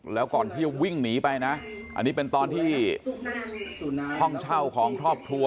แล้วก่อนที่จะวิ่งหนีไปนะอันนี้เป็นตอนที่ห้องเช่าของครอบครัว